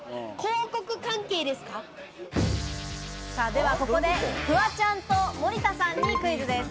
ではここで、フワちゃんと森田さんにクイズです。